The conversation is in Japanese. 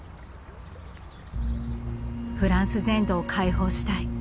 フランス全土を解放したい。